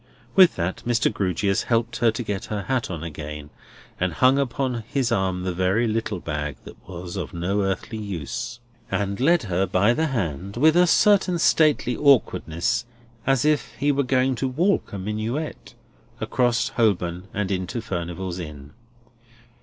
With that Mr. Grewgious helped her to get her hat on again, and hung upon his arm the very little bag that was of no earthly use, and led her by the hand (with a certain stately awkwardness, as if he were going to walk a minuet) across Holborn, and into Furnival's Inn.